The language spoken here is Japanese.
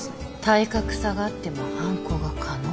体格差があっても犯行が可能。